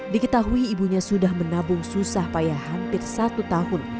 diketahui ibunya sudah menabung susah payah hampir satu tahun